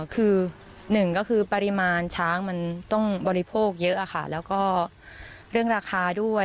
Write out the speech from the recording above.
คือหนึ่งก็คือปริมาณช้างมันต้องบริโภคเยอะค่ะแล้วก็เรื่องราคาด้วย